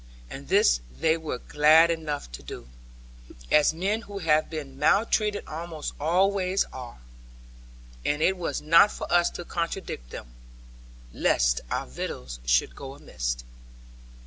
And this they were glad enough to do; as men who have been maltreated almost always are. And it was not for us to contradict them, lest our victuals should go amiss.